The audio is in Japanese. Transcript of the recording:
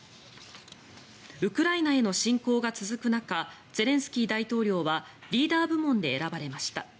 ウクライナへの侵攻が続く中ゼレンスキー大統領はリーダー部門で選ばれました。